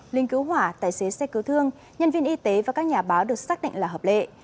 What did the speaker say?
linh cứu hỏa tài xế xe cứu thương nhân viên y tế và các nhà báo được xác định là hợp lệ